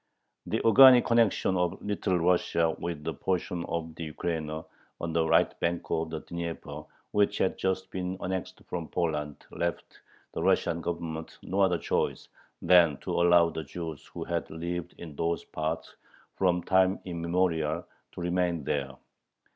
The organic connection of Little Russia with the portion of the Ukraina on the right bank of the Dnieper which had just been annexed from Poland, left the Russian Government no other choice than to allow the Jews who had lived in those parts from time immemorial to remain there.